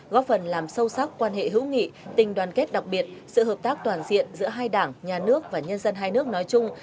góp phần làm sâu sắc quan hệ hữu nghị tình đoàn kết đặc biệt sự hợp tác toàn diện giữa hai đảng nhà nước và nhân dân hai nước nói chung